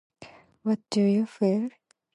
What do you feel?